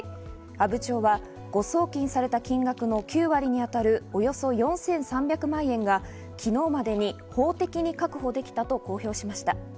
阿武町は誤送金された金額の９割に当たるおよそ４３００万円が昨日までに法的に確保できたと公表しました。